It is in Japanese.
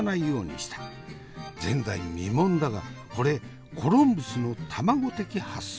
前代未聞だがこれコロンブスの卵的発想。